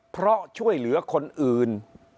เพราะช่วยเหลือคนอื่น